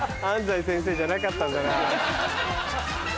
安西先生じゃなかったんだな。